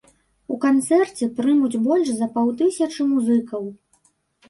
У канцэрце прымуць больш за паўтысячы музыкаў.